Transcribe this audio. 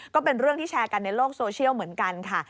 ก็เป็นเรื่องที่แชร์กันในโลกโซเชียลเหมือนกันค่ะ